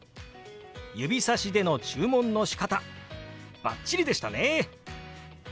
指さしでの注文のしかたバッチリでしたね！